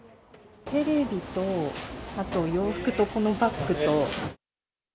テレビと、あと洋服とこのバッグと。